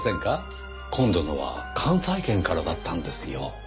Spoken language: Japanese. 今度のは関西圏からだったんですよ。